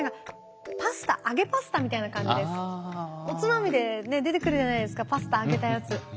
おつまみでね出てくるじゃないですかパスタ揚げたやつ。